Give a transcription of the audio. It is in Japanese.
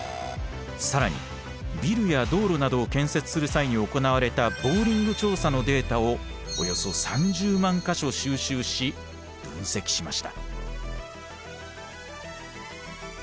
更にビルや道路などを建設する際に行われたボーリング調査のデータをおよそ３０万か所収集し分析しました。